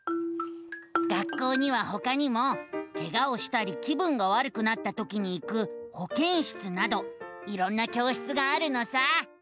学校にはほかにもケガをしたり気分がわるくなったときに行くほけん室などいろんな教室があるのさ。